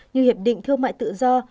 như hiệp định thương mại tự do